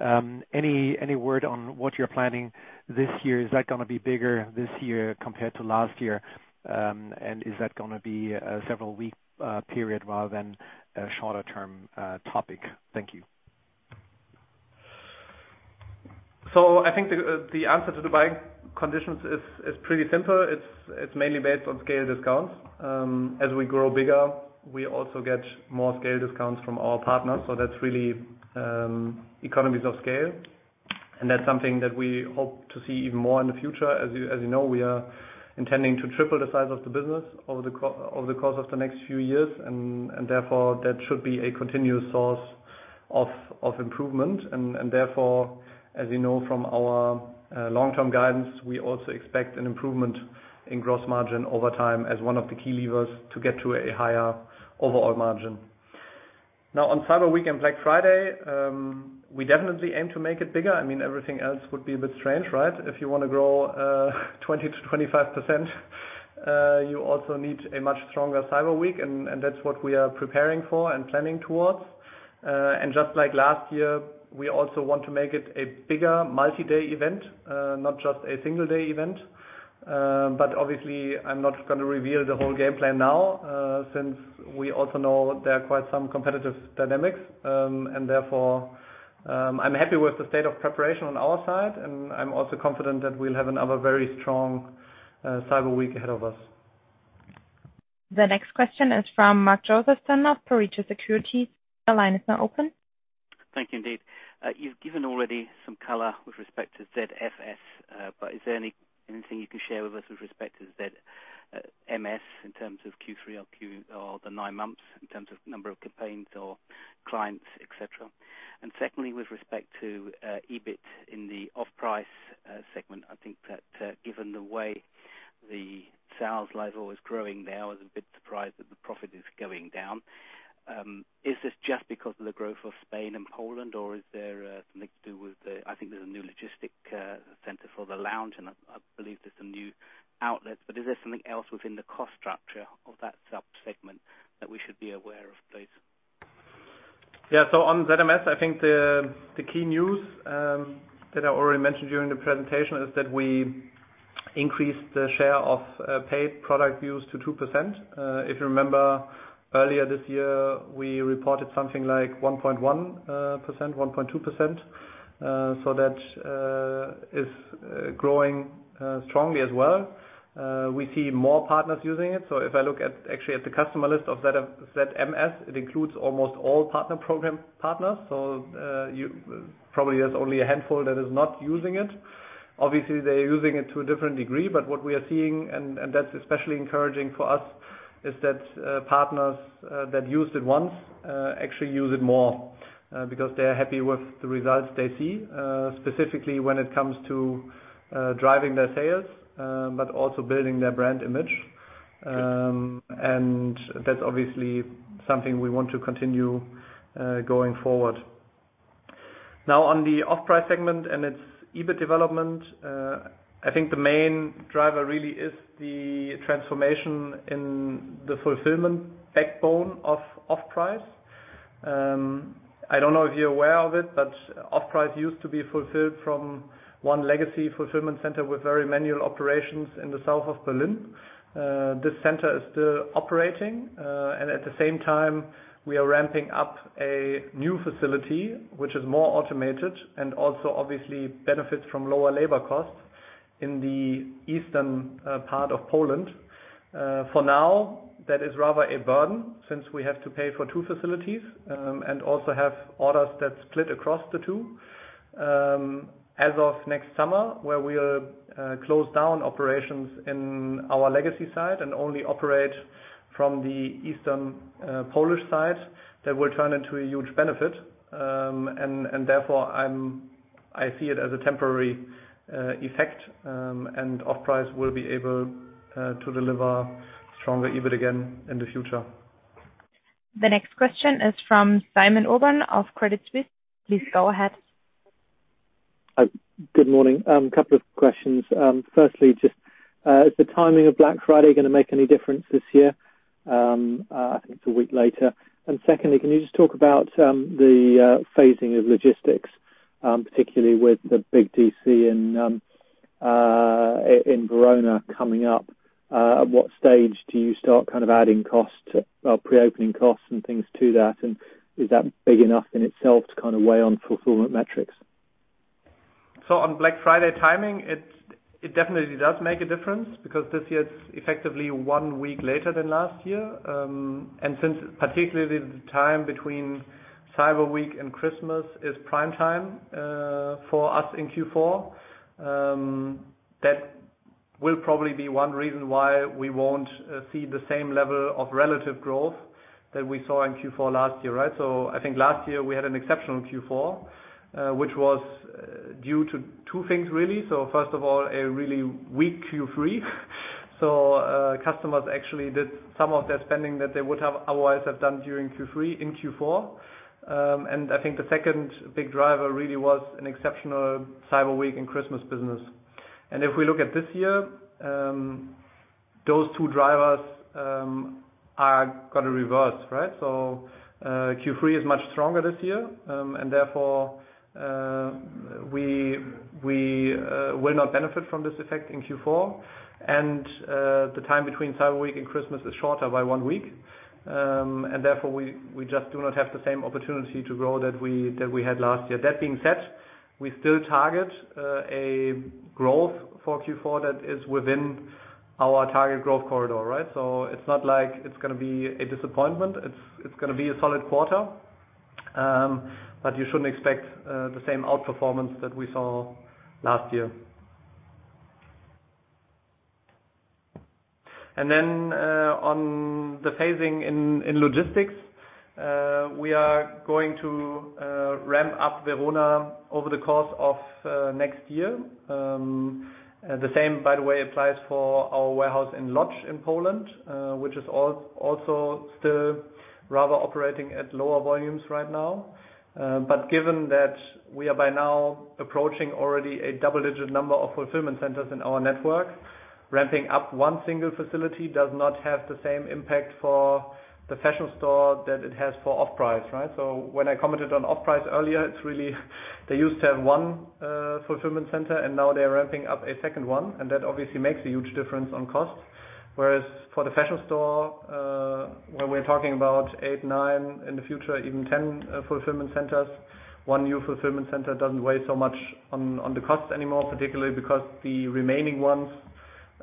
Any word on what you're planning this year? Is that going to be bigger this year compared to last year? Is that going to be a several-week period rather than a shorter-term topic? Thank you. I think the answer to the buying conditions is pretty simple. It's mainly based on scale discounts. As we grow bigger, we also get more scale discounts from our partners. That's really economies of scale. That's something that we hope to see even more in the future. As you know, we are intending to triple the size of the business over the course of the next few years. Therefore, that should be a continuous source of improvement. Therefore, as you know from our long-term guidance, we also expect an improvement in gross margin over time as one of the key levers to get to a higher overall margin. Now, on Cyber Week and Black Friday, we definitely aim to make it bigger. Everything else would be a bit strange, right. If you want to grow 20%-25%, you also need a much stronger Cyber Week, and that's what we are preparing for and planning towards. Just like last year, we also want to make it a bigger multi-day event, not just a single-day event. Obviously, I'm not going to reveal the whole game plan now, since we also know there are quite some competitive dynamics. Therefore, I'm happy with the state of preparation on our side, and I'm also confident that we'll have another very strong Cyber Week ahead of us. The next question is from Mark Josefsen of Pareto Securities. The line is now open. Thank you, indeed. You've given already some color with respect to ZFS, but is there anything you can share with us with respect to ZMS in terms of Q3 or the nine months in terms of number of campaigns or clients, et cetera? Secondly, with respect to EBIT in the Offprice segment, I think that given the way the sales level is growing there, I was a bit surprised that the profit is going down. Is this just because of the growth of Spain and Poland, or is there something to do with the, I think there's a new logistics center for the Lounge, and I believe there's some new outlets, is there something else within the cost structure of that subsegment that we should be aware of, please? Yeah. On ZMS, I think the key news that I already mentioned during the presentation is that we increased the share of paid product views to 2%. If you remember earlier this year, we reported something like 1.1%, 1.2%. That is growing strongly as well. We see more partners using it. If I look actually at the customer list of ZMS, it includes almost all partner program partners. Probably there's only a handful that is not using it. Obviously, they're using it to a different degree. What we are seeing, and that's especially encouraging for us, is that partners that used it once actually use it more because they are happy with the results they see, specifically when it comes to driving their sales, but also building their brand image. That's obviously something we want to continue going forward. On the Offprice segment and its EBIT development, I think the main driver really is the transformation in the fulfillment backbone of Offprice. I don't know if you're aware of it, but Offprice used to be fulfilled from one legacy fulfillment center with very manual operations in the south of Berlin. This center is still operating, and at the same time, we are ramping up a new facility which is more automated and also obviously benefits from lower labor costs in the eastern part of Poland. For now, that is rather a burden, since we have to pay for two facilities and also have orders that split across the two. As of next summer, where we'll close down operations in our legacy site and only operate from the eastern Polish site, that will turn into a huge benefit. Therefore, I see it as a temporary effect, and Offprice will be able to deliver stronger EBIT again in the future. The next question is from Simon Irwin of Credit Suisse. Please go ahead. Good morning. Couple of questions. Firstly, just, is the timing of Black Friday going to make any difference this year? I think it's a week later. Secondly, can you just talk about the phasing of logistics, particularly with the big DC in Verona coming up. At what stage do you start adding pre-opening costs and things to that, and is that big enough in itself to weigh on fulfillment metrics? On Black Friday timing, it definitely does make a difference because this year it's effectively one week later than last year. Since particularly the time between Cyber Week and Christmas is prime time for us in Q4, that will probably be one reason why we won't see the same level of relative growth that we saw in Q4 last year, right? I think last year we had an exceptional Q4 which was due to two things really. First of all, a really weak Q3. Customers actually did some of their spending that they would have otherwise have done during Q3 and Q4. I think the second big driver really was an exceptional Cyber Week and Christmas business. If we look at this year, those two drivers are going to reverse, right? Q3 is much stronger this year, and therefore, we will not benefit from this effect in Q4. The time between Cyber Week and Christmas is shorter by one week. Therefore we just do not have the same opportunity to grow that we had last year. That being said, we still target a growth for Q4 that is within our target growth corridor, right? It's not like it's going to be a disappointment. It's going to be a solid quarter. You shouldn't expect the same outperformance that we saw last year. On the phasing in logistics, we are going to ramp up Verona over the course of next year. The same, by the way, applies for our warehouse in Łódź in Poland, which is also still rather operating at lower volumes right now. Given that we are by now approaching already a double-digit number of fulfillment centers in our network, ramping up one single facility does not have the same impact for the Fashion Store that it has for Offprice, right? When I commented on Offprice earlier, it's really they used to have one fulfillment center, and now they're ramping up a second one, and that obviously makes a huge difference on cost. Whereas for the Fashion Store, when we're talking about eight, nine in the future, even 10 fulfillment centers, one new fulfillment center doesn't weigh so much on the cost anymore, particularly because the remaining ones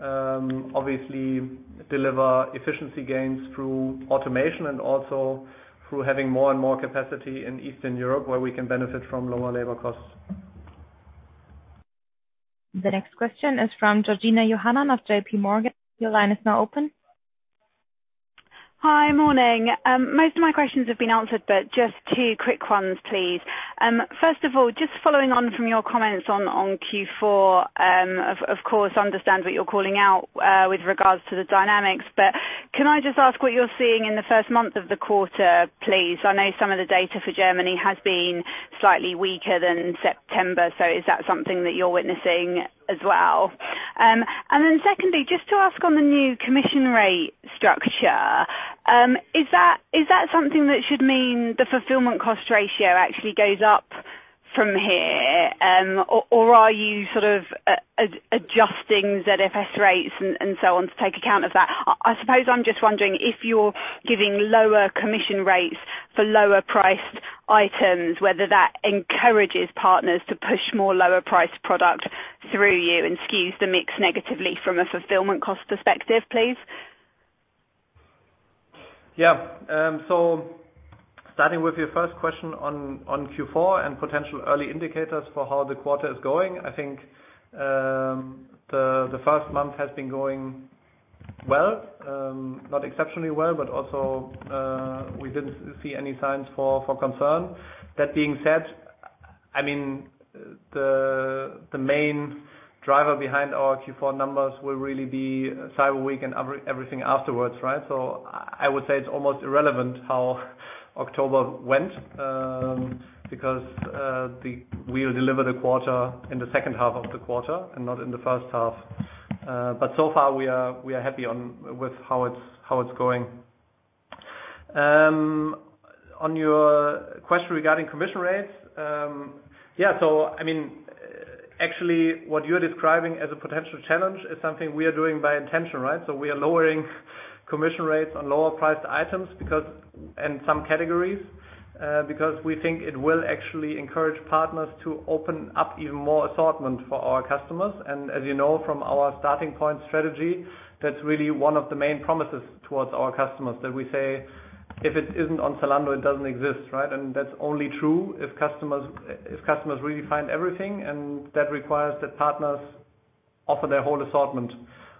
obviously deliver efficiency gains through automation and also through having more and more capacity in Eastern Europe where we can benefit from lower labor costs. The next question is from Georgina Johanan of J.P. Morgan. Your line is now open. Hi. Morning. Most of my questions have been answered, but just two quick ones, please. First of all, just following on from your comments on Q4, of course, understand what you're calling out with regards to the dynamics, but can I just ask what you're seeing in the first month of the quarter, please? I know some of the data for Germany has been slightly weaker than September, is that something that you're witnessing as well? Secondly, just to ask on the new commission rate structure, is that something that should mean the fulfillment cost ratio actually goes up from here? Are you sort of adjusting ZFS rates and so on to take account of that? I suppose I'm just wondering if you're giving lower commission rates for lower priced items, whether that encourages partners to push more lower priced product through you and skews the mix negatively from a fulfillment cost perspective, please? Yeah. Starting with your first question on Q4 and potential early indicators for how the quarter is going, I think the first month has been going well. Not exceptionally well, but also, we didn't see any signs for concern. That being said, the main driver behind our Q4 numbers will really be Cyber Week and everything afterwards, right? I would say it's almost irrelevant how October went, because we'll deliver the quarter in the second half of the quarter and not in the first half. So far, we are happy with how it's going. On your question regarding commission rates. What you're describing as a potential challenge is something we are doing by intention, right? We are lowering commission rates on lower priced items in some categories, because we think it will actually encourage partners to open up even more assortment for our customers. As you know from our starting point strategy, that's really one of the main promises towards our customers, that we say, "If it isn't on Zalando, it doesn't exist," right? That's only true if customers really find everything, and that requires that partners offer their whole assortment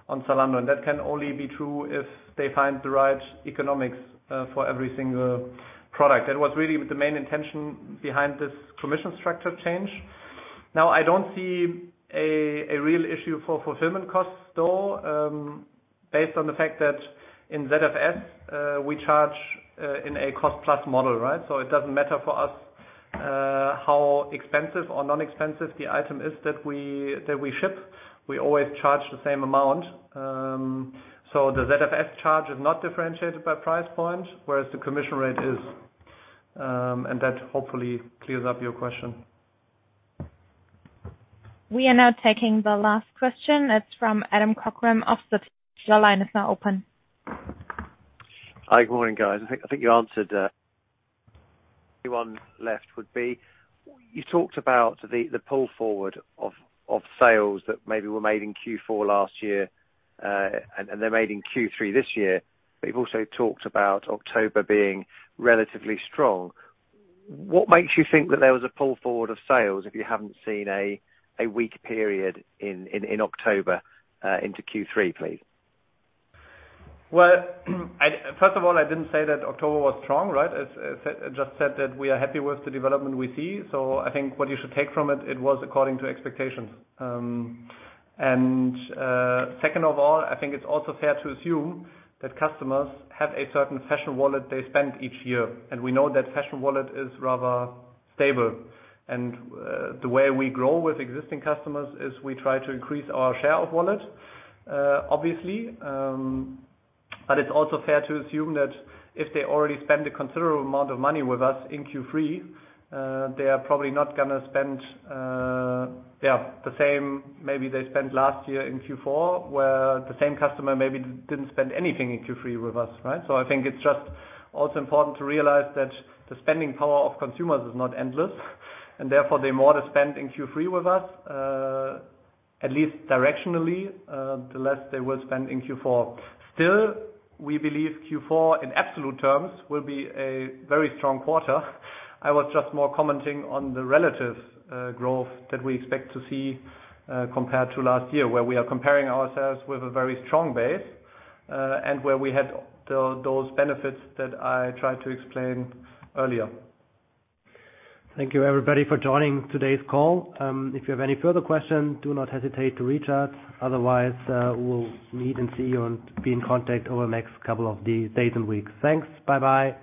on Zalando, and that can only be true if they find the right economics for every single product. That was really the main intention behind this commission structure change. I don't see a real issue for fulfillment costs, though, based on the fact that in ZFS, we charge in a cost-plus model, right? It doesn't matter for us how expensive or non-expensive the item is that we ship. We always charge the same amount. The ZFS charge is not differentiated by price point, whereas the commission rate is. That hopefully clears up your question. We are now taking the last question. It is from Adam Cochrane of. Your line is now open. Hi. Good morning, guys. I think you answered. The only one left would be, you talked about the pull forward of sales that maybe were made in Q4 last year, and they're made in Q3 this year. You've also talked about October being relatively strong. What makes you think that there was a pull forward of sales if you haven't seen a weak period in October into Q3, please? First of all, I didn't say that October was strong, right? I just said that we are happy with the development we see. I think what you should take from it was according to expectations. Second of all, I think it's also fair to assume that customers have a certain fashion wallet they spend each year, and we know that fashion wallet is rather stable. The way we grow with existing customers is we try to increase our share of wallet, obviously. It's also fair to assume that if they already spend a considerable amount of money with us in Q3, they are probably not going to spend the same maybe they spent last year in Q4, where the same customer maybe didn't spend anything in Q3 with us, right? I think it's just also important to realize that the spending power of consumers is not endless, and therefore, the more they spend in Q3 with us, at least directionally, the less they will spend in Q4. Still, we believe Q4, in absolute terms, will be a very strong quarter. I was just more commenting on the relative growth that we expect to see, compared to last year, where we are comparing ourselves with a very strong base, and where we had those benefits that I tried to explain earlier. Thank you, everybody, for joining today's call. If you have any further questions, do not hesitate to reach out. Otherwise, we'll meet and see you and be in contact over the next couple of days and weeks. Thanks. Bye-bye